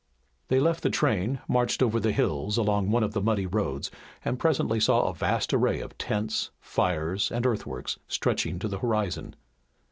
They left the train, marched over the hills along one of the muddy roads, and presently saw a vast array of tents, fires, and earthworks, stretching to the horizon.